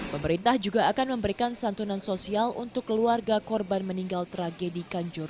pemerintah juga akan memberikan santunan sosial untuk keluarga korban meninggal tragedi kanjuruhan